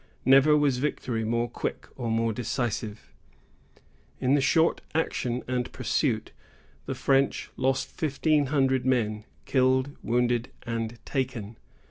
Never was victory more quick or more decisive. In the short action and pursuit, the French lost fifteen hundred men, killed, wounded, and taken.